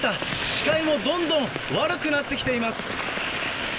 視界もどんどん悪くなってきています。